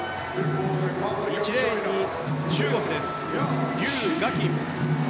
１レーンに中国、リュウ・ガキン。